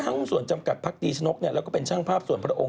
คนอ้างนุ่มสวนจำกัดพรรคตีชนกแล้วก็เป็นช่างภาพสวนพระองค์